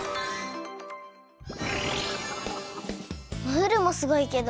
ムールもすごいけどおおき